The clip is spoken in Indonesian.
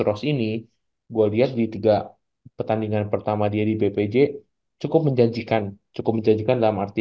ros ini gue lihat di tiga pertandingan pertama dia di bpj cukup menjanjikan cukup menjanjikan dalam arti